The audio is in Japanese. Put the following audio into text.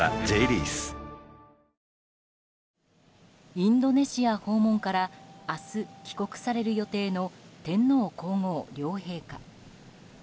インドネシア訪問から明日、帰国される予定の天皇・皇后両陛下。